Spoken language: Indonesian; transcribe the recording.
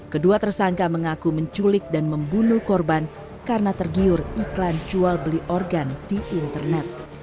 kedua tersangka mengaku menculik dan membunuh korban karena tergiur iklan jual beli organ di internet